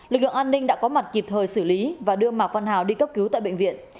lực lượng an ninh đã có mặt kịp thời xử lý và đưa mạc văn hào đi cấp cứu tại bệnh viện